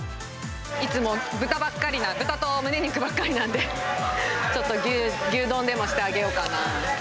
いつも豚ばっかり、豚とむね肉ばっかりなんで、ちょっと牛丼でもしてあげようかな。